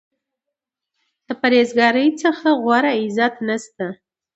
د پرهیز ګارۍ څخه غوره عزت نشته.